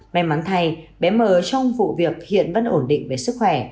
may mắn thay bé mờ trong vụ việc hiện vẫn ổn định về sức khỏe